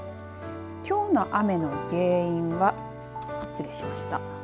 きょうの雨の原因は失礼しました。